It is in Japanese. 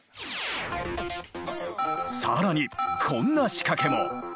更にこんな仕掛けも！